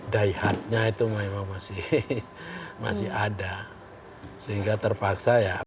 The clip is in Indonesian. daihatnya itu memang masih ada sehingga terpaksa ya